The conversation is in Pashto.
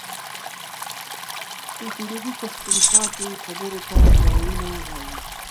په جنوبي پښتونخوا کي خبرو ته ګايونه وايي.